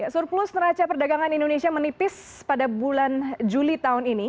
surplus neraca perdagangan indonesia menipis pada bulan juli tahun ini